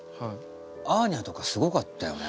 アーニャとかすごかったよね。